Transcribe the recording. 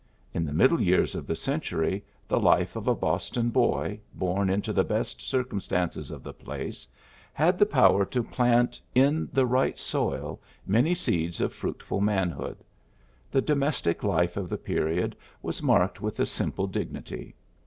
In the middle years of the century the life of a Boston boy, born into the best circumstances of the place, had the power to plant in the right soil many seeds of fruitful man hood. The domestic life of the period was marked with a simple dignity.